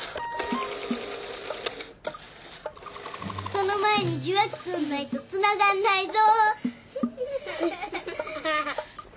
その前に受話器とんないとつながんないぞ。